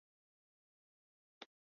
Baina zergatik gertatzen da hori?